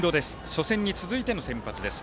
初戦に続いての先発です。